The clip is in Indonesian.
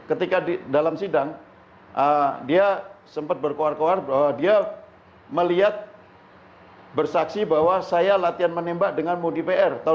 ketika di dalam sidang dia sempat berkuar kuar bahwa dia melihat bersaksi bahwa saya latihan menembak denganmu di pr tahun seribu sembilan ratus delapan puluh tujuh